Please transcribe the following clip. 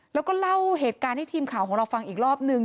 แล้วก็เล่าเหตุการณ์ให้ทีมข่าวของเราฟังอีกรอบนึง